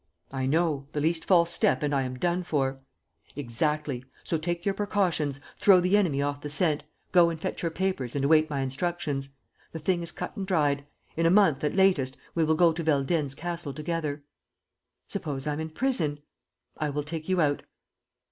"I know. The least false step and I am done for." "Exactly. So take your precautions, throw the enemy off the scent, go and fetch your papers and await my instructions. The thing is cut and dried. In a month, at latest, we will go to Veldenz Castle together." "Suppose I'm in prison?" "I will take you out."